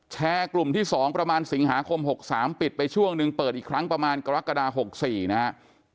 แชร์กลุ่มที่๒ประมาณสิงหาคม๖๓ปิดไปช่วงหนึ่งเปิดอีกครั้งประมาณกรกฎา๖๔นะครับ